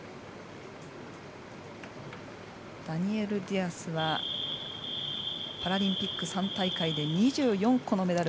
ダニエル・ディアスはパラリンピック３大会で２４個のメダル。